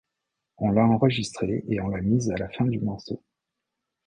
On l'a enregistrée et on l'a mise à la fin du morceau.